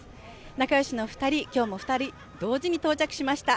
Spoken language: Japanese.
仲よしの２人、今日も２人同時に到着しました。